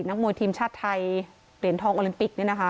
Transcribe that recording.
นักมวยทีมชาติไทยเหรียญทองออลันปิตเนี่ยนะคะ